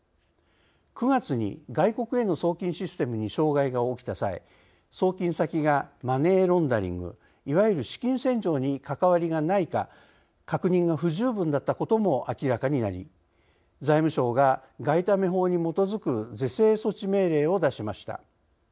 ９月に外国への送金システムに障害が起きた際送金先がマネーロンダリングいわゆる資金洗浄に関わりがないか確認が不十分だったことも明らかになり財務省が外為法に基づく是正措置命令を出しました。